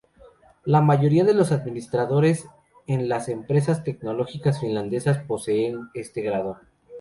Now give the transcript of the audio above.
La mayoría de los administradores en las empresas tecnológicas finlandesas poseen este grado.